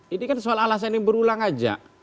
ini kan soal alasan yang berulang aja